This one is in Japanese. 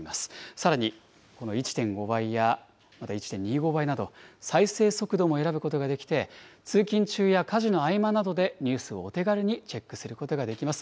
さらにこの１．５倍やまた１．２５倍など、再生速度も選ぶことができて、通勤中や家事の合間などでニュースをお手軽にチェックすることができます。